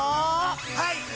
はい！